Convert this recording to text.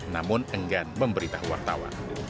namun enggan memberitahu wartawan